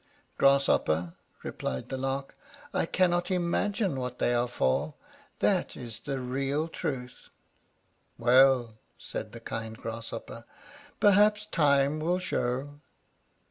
"Grasshopper," replied the Lark, "I cannot imagine what they are for that is the real truth." "Well," said the kind Grasshopper, "perhaps time will show."